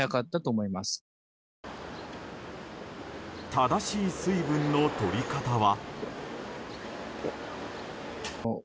正しい水分のとり方は。